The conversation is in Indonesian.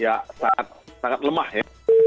ya sangat lemah ya